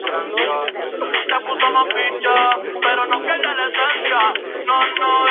Hojas con vaina de márgenes libres; lígula obtusa; limbo plano con haz estriado.